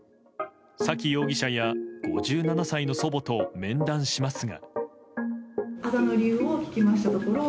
沙喜容疑者や５７歳の祖母と面談しますが。